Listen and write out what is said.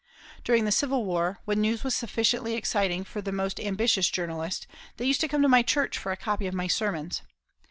During the Civil War, when news was sufficiently exciting for the most ambitious journalist, they used to come to my church for a copy of my Sermons.